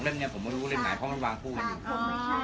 เล่นเล่นนี้ใช่ไหมใช่เล่นนี้